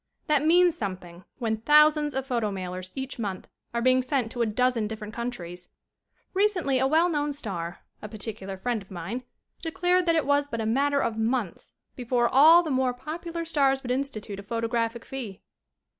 That means something when thousands of photo mailers each month are being sent to a dozen different countries. Recently a well known star, a particular friend of mine, declared that it was but a mat ter of months before all the more popular stars would institute a photographic fee.